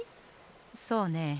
そうねえ。